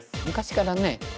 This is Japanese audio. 昔からね